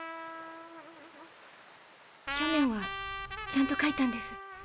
去年はちゃんと書いたんです。